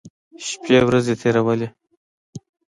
شپې ورځې تېرولې.